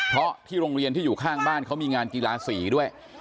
เพราะที่โรงเรียนที่อยู่ข้างบ้านเขามีงานกีฬาสีด้วย